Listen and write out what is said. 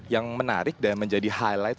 yang menarik dan menjadi highlight